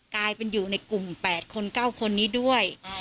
กลายเป็นอยู่ในกลุ่ม๘คน๙คนนี้ด้วย